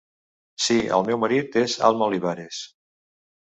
Sí, el meu marit és Alma Olivares.